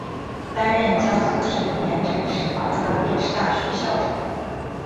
担任江苏省盐城市广播电视大学校长。